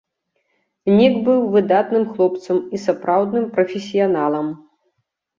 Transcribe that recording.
Нік быў выдатным хлопцам і сапраўдным прафесіяналам.